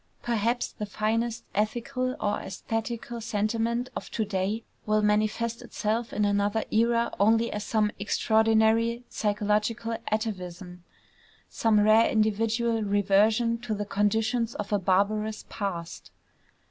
Perhaps the finest ethical or æsthetical sentiment of to day will manifest itself in another era only as some extraordinary psychological atavism, some rare individual reversion to the conditions of a barbarous past.